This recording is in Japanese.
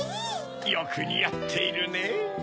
よくにあっているねぇ。